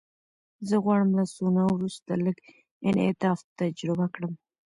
زه غواړم له سونا وروسته لږ انعطاف تجربه کړم.